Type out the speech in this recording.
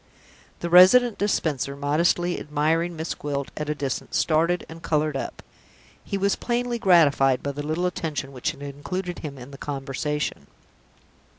The Resident Dispenser, modestly admiring Miss Gwilt at a distance, started and colored up. He was plainly gratified by the little attention which had included him in the conversation.